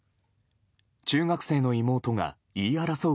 中学生の妹が言い争う